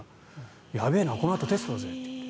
やべえなこのあとテストだぜって。